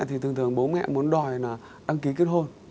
thì thường thường bố mẹ muốn đòi là đăng ký kết hôn